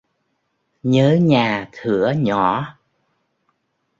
Nhớ nhà thửa nhỏ